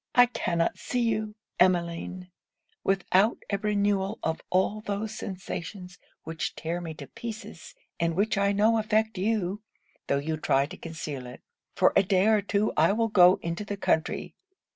'I cannot see you, Emmeline, without a renewal of all those sensations which tear me to pieces, and which I know affect you, though you try to conceal it. For a day or two I will go into the country.